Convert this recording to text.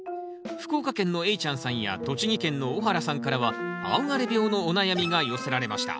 福岡県のえいちゃんさんや栃木県の小原さんからは青枯病のお悩みが寄せられました。